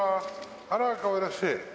あら、かわいらしい。